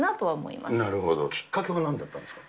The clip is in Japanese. きっかけは何だったんですか。